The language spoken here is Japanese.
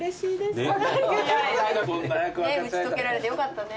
打ち解けられてよかったね。